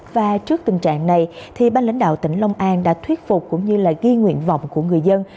và trước tình trạng này ba lãnh đạo tỉnh long an đã thuyết phục cũng như ghi nguyện vọng của người dân